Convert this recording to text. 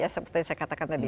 seperti saya katakan tadi